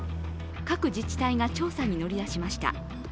各自治体が調査に乗り出しました。